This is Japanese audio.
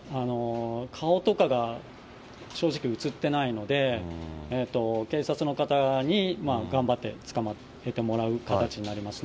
顔とかが正直、写ってないので、警察の方に頑張って捕まえてもらう形になりますね。